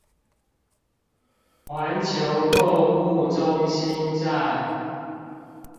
環球購物中心站